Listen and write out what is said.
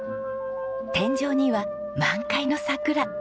天井には満開の桜。